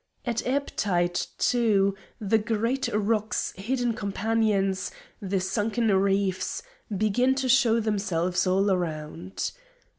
At ebb tide, too, the great rock's hidden companions, the sunken reefs, begin to show themselves all around.